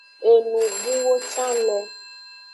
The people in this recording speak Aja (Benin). Enubuwo can le.